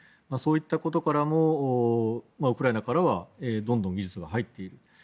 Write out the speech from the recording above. そういったことからもウクライナからはどんどん技術が入っている。